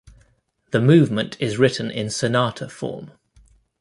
The movement is written in sonata form.